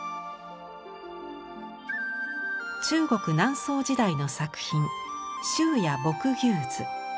中国南宋時代の作品「秋野牧牛図」。